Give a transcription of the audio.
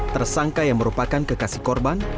tersangka yang merupakan kekasih korban